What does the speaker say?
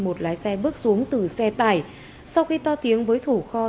một lái xe bước xuống từ xe tải sau khi to tiếng với thủ kho